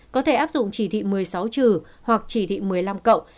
có thể áp dụng chỉ thị một mươi sáu trừ hoặc chỉ thị một mươi năm cộng